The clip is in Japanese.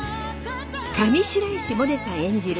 上白石萌音さん演じる